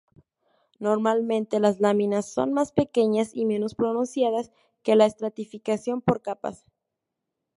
Normalmente las laminas son más pequeñas y menos pronunciadas que la estratificación por capas.